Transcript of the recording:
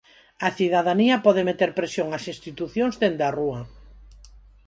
A cidadanía pode meter presión ás institucións dende a rúa.